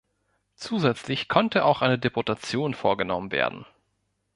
Zusätzlich konnte auch eine Deportation vorgenommen werden.